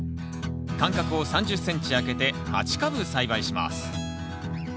間隔を３０ｃｍあけて８株栽培します。